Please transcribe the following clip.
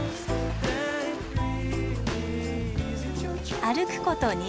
歩くこと２０分。